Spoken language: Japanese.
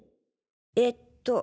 えっと。